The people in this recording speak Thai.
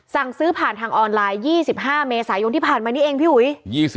สั่งซื้อผ่านทางออนไลน์๒๕เมษายนที่ผ่านมานี้เองพี่อุ๋ย